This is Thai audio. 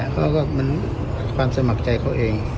มันคือความสมัครใจเขาเอง